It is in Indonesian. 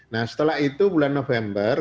nah setelah itu bulan november